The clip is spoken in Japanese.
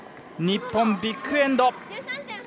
日本、ビッグエンド！